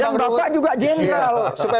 dan bapak juga general